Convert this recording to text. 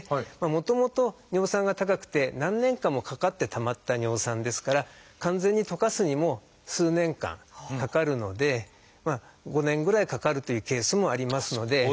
もともと尿酸が高くて何年間もかかってたまった尿酸ですから完全に溶かすにも数年間かかるので５年ぐらいかかるというケースもありますので。